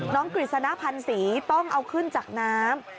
น้องกฤษณภัณฑ์ศรีต้องเอาขึ้นจากน้ำ